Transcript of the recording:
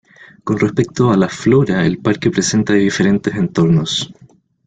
Con respecto a la flora, el parque presenta diferentes entornos.